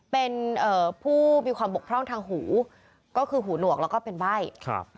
เป็นเอ่อผู้มีความบกพร่องทางหูก็คือหูหนวกแล้วก็เป็นใบ้ครับ